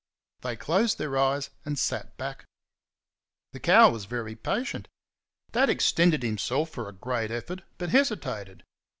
They closed their eyes and sat back. The cow was very patient. Dad extended himself for a great effort, but hesitated.